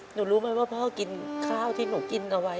รู้ไหมว่าพ่อกินข้าวที่หนูกินเอาไว้